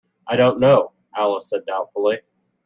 ‘I don’t know,’ Alice said doubtfully.